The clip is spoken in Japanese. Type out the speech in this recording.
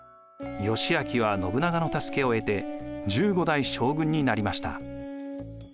義昭は信長の助けを得て１５代将軍になりました。